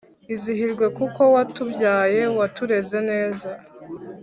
izihirwe kuko watubyaye ,watureze neza